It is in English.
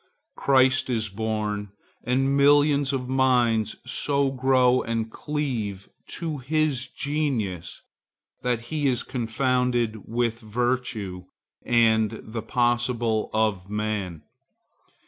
Christ is born, and millions of minds so grow and cleave to his genius that he is confounded with virtue and the possible of man.